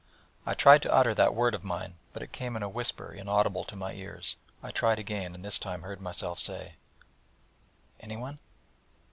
I tried to utter that word of mine, but it came in a whisper inaudible to my ears: I tried again, and this time heard myself say: 'anyone?'